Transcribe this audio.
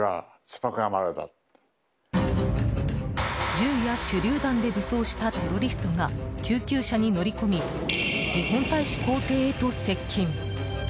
銃や手りゅう弾で武装したテロリストが救急車に乗り込み日本大使公邸へと接近。